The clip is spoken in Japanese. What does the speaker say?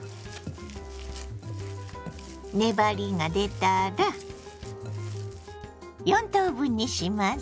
粘りが出たら４等分にします。